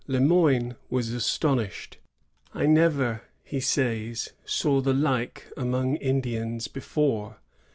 Le Moyne was astonished. ^I never," he says, ^saw the like among Indians before."